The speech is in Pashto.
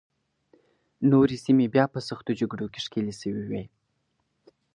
نورې سیمې بیا په سختو جګړو کې ښکېلې شوې وې.